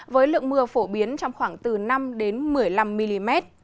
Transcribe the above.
với lượng mưa phổ biến trong khoảng từ năm một mươi năm mm